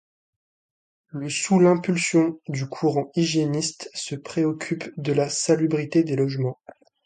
Le sous l'impulsion du courant hygiéniste se préoccupent de la salubrité des logements.